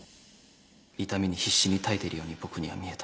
痛みに必死に耐えているように僕には見えた。